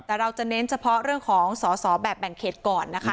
แต่เราจะเน้นเฉพาะเรื่องของสอสอแบบแบ่งเขตก่อนนะคะ